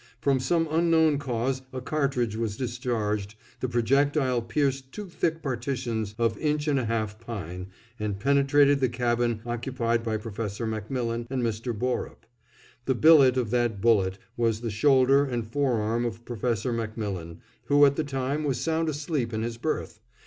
From some unknown cause a cartridge was discharged, the projectile pierced two thick partitions of inch and a half pine, and penetrated the cabin occupied by Professor MacMillan and Mr. Borup. The billet of that bullet was the shoulder and forearm of Professor MacMillan, who at the time was sound asleep in his berth.